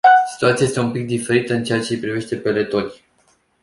Situația este un pic diferită în ceea ce-i privește pe letoni.